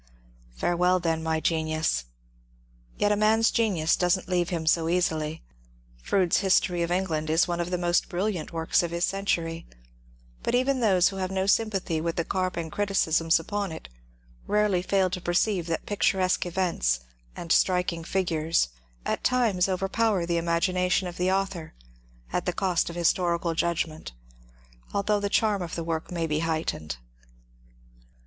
Farewell, then, my genius ! Yet a man's genius does n't leave him so easily. Froude's *^ History of England " is one of the most brilliant works of his century, but even those who have no sympathy with the carping criticisms upon it rarely fail to perceive that picturesque events and striking figures at times overpower the imagination of the author at the cost of historical judgment, although the charm of the work may be heightened.